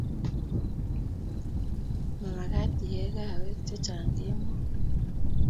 Mamagat iee kahawek chchang kemoi